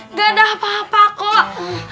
nggak ada apa apa kok